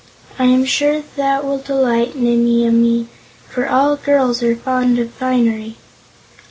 I am sure that will delight Nimmie Amee, for all girls are fond of finery."